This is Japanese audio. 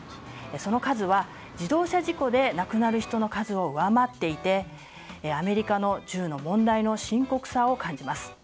その数は自動車事故で亡くなる人の数を上回っていてアメリカの銃の問題の深刻さを感じます。